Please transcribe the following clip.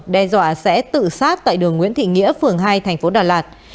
đe dọa sẽ tự sát tại đường nguyễn thị nghĩa phường hai tp đà lạt